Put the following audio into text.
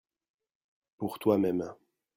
Pour toi-même.